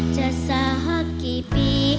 สักกี่ปี